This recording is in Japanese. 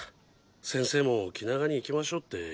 先生も気長にいきましょうって言ってたろ。